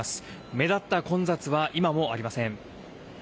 目立った混雑は今もありません。